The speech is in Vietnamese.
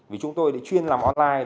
vì chúng tôi đã chuyên làm online